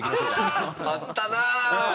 あったな！